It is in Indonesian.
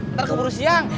ntar keburu siang